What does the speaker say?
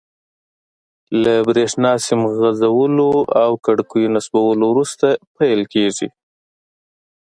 له بریښنا سیم غځولو او کړکیو نصبولو وروسته پیل کیږي.